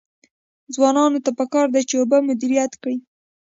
ځوانانو ته پکار ده چې، اوبه مدیریت کړي.